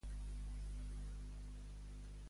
Ens pots posar la meva cançó preferida de Warduna?